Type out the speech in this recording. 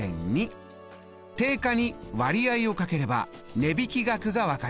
定価に割合を掛ければ値引額が分かります。